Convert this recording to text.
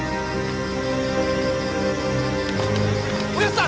おやっさん